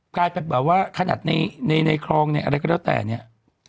กลายเป็นแบบว่าขนาดในในคลองในอะไรก็แล้วแต่เนี่ย